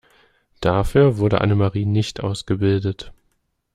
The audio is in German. Dafür wurde Annemarie nicht ausgebildet.